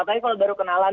tapi kalau baru kenalan